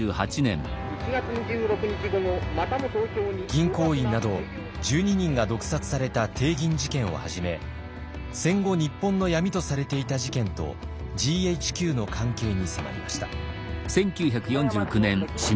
銀行員など１２人が毒殺された帝銀事件をはじめ戦後日本の闇とされていた事件とＧＨＱの関係に迫りました。